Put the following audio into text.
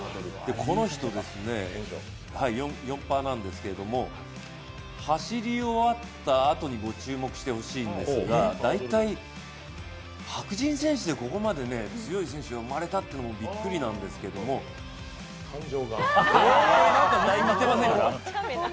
この人、４００ｍハードルなんですけど走り終わったあとに注目してほしいんですが、大体、白人選手でここまで強い選手が生まれたっていうのもびっくりなんですけどこれ、何かに似てませんか？